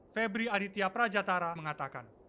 febri aditya prajatara mengatakan